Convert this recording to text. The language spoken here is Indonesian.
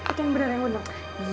itu yang beneran gue dong